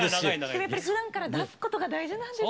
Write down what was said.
やっぱりふだんから出すことが大事なんですね。